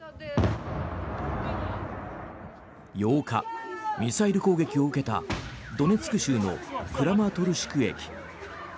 ８日、ミサイル攻撃を受けたドネツク州のクラマトルシク駅。